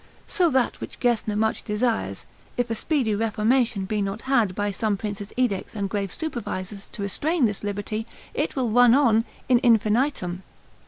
So that which Gesner much desires, if a speedy reformation be not had, by some prince's edicts and grave supervisors, to restrain this liberty, it will run on in infinitum.